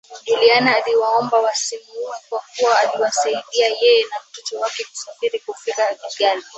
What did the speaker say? Juliana aliwaomba wasimuue kwa kuwa aliwasaidia yeye na mtoto wake kusafiri kufika Kigali